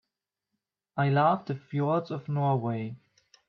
I love the fjords of Norway.